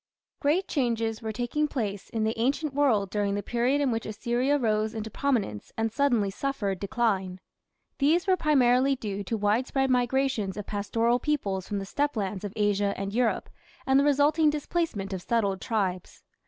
Great changes were taking place in the ancient world during the period in which Assyria rose into prominence and suddenly suffered decline. These were primarily due to widespread migrations of pastoral peoples from the steppe lands of Asia and Europe, and the resulting displacement of settled tribes.